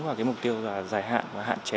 vào cái mục tiêu là dài hạn và hạn chế